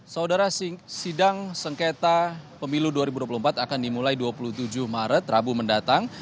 saudara sidang sengketa pemilu dua ribu dua puluh empat akan dimulai dua puluh tujuh maret rabu mendatang